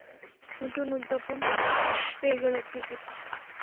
নতুন উদ্যাপন পেয়ে গেল ক্রিকেট।